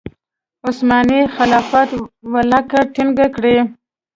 عثماني خلافت ولکه ټینګه کړي.